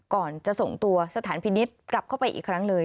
ก่อนจะส่งตัวสถานพินิษฐ์กลับเข้าไปอีกครั้งเลย